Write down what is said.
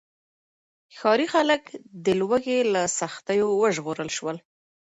ښاري خلک د لوږې له سختیو وژغورل شول.